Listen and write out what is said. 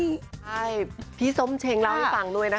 ใช่พี่ส้มเชงเล่าให้ฟังด้วยนะคะ